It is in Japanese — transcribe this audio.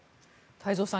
太蔵さん